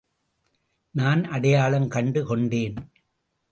நான் அடையாளம் கண்டு கொண்டேன்.